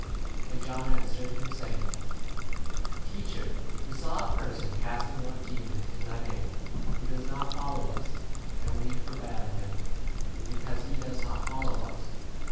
And John answered him saying, Teacher, we saw a person casting out demons in thy name, who does not follow us, and we forbad him, because he does not 39 follow us.